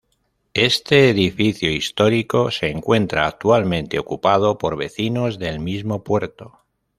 Este edificio histórico, se encuentra actualmente ocupado por vecinos del mismo puerto.